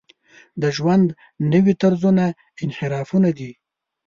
د ژوند نوي طرزونه انحرافونه دي.